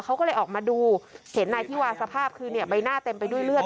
เขาก็เลยออกมาดูเห็นนายที่วาสภาพคือเนี่ยใบหน้าเต็มไปด้วยเลือด